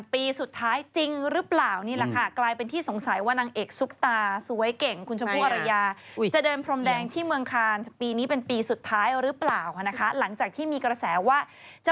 ที่ถูกกล้องเขาไม่ไปเบี้ยวไปหรือเปล่าเลย